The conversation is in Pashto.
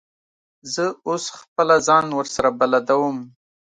زه اوس خپله ځان ورسره بلدوم.